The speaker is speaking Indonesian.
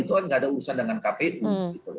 itu kan nggak ada urusan dengan kpu